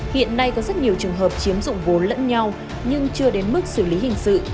hiện nay có rất nhiều trường hợp chiếm dụng vốn lẫn nhau nhưng chưa đến mức xử lý hình sự